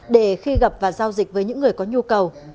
để khi gặp và giao dịch với những người có nhu cầu